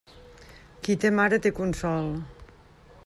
Qui té mare té consol.